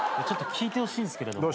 ちょっと聞いてほしいんすけど。